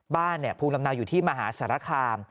ภูมิลำเนาอยู่ที่มหาสารคาม